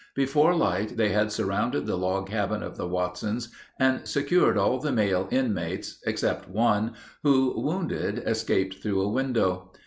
Before light they had surrounded the log cabin of the Watsons and secured all the male inmates, except one who, wounded, escaped through a window.